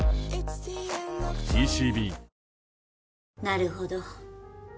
なるほど。